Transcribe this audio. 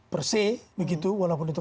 perse begitu walaupun itu